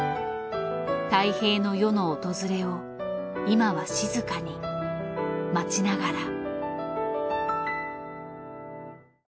泰平の世の訪れを今は静かに待ちながら。